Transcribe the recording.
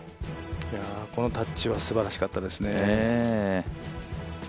このタッチはすばらしかったですね。